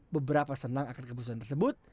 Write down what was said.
beberapa senang akan keputusan tersebut